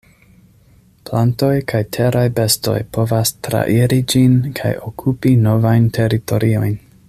Plantoj kaj teraj bestoj povas trairi ĝin kaj okupi novajn teritoriojn.